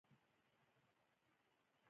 د شوروي کمونېست نظام له داسې خنډونو سره مخ شو